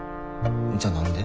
じゃあ何で？